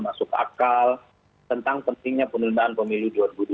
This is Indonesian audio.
masuk akal tentang pentingnya penundaan pemilu dua ribu dua puluh